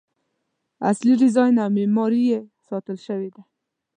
اصلي ډیزاین او معماري یې ساتل شوې ده.